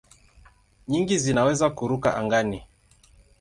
Nyingi zinaweza kuruka angani.